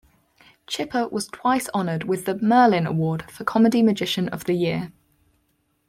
Chipper was twice honored with the "Merlin" award for "Comedy Magician of the Year!